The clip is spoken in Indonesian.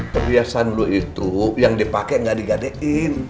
perhiasan lu itu yang dipakai nggak digadein